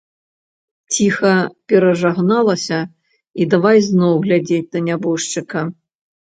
Ціха перажагналася і давай зноў глядзець на нябожчыка.